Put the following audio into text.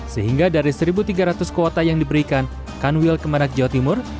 sehingga dari satu tiga ratus kuota yang diberikan kanwil kemenak jawa timur